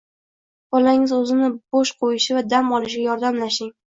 Bolangiz o‘zini bo‘sh qo‘yishi va dam olishiga yordamlashing.